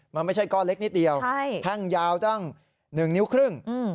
มันไม่ใช่ก้อนเล็กนิดเดียวแท่งยาวตั้ง๑นิ้วครึ่ง